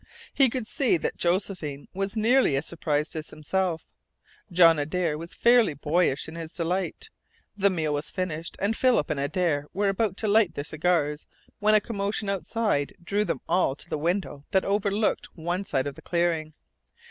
He could see that Josephine was nearly as surprised as himself. John Adare was fairly boyish in his delight. The meal was finished and Philip and Adare were about to light their cigars when a commotion outside drew them all to the window that overlooked one side of the clearing.